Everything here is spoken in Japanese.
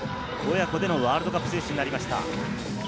親子でのワールドカップ選手になりました。